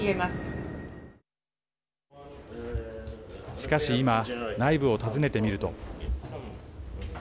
しかし今内部を訪ねてみると。